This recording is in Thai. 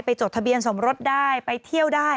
จดทะเบียนสมรสได้ไปเที่ยวได้